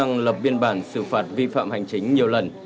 đang lập biên bản xử phạt vi phạm hành chính nhiều lần